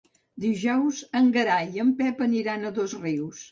Dijous en Gerai i en Pep aniran a Dosrius.